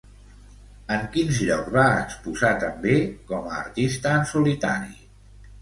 En quins llocs va exposar també com a artista en solitari?